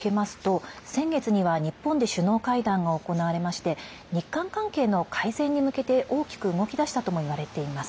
一方、ユン政権の１年では外交面に目を向けますと先月には日本で首脳会談が行われまして日韓関係の改善に向けて大きく動きだしたともいわれています。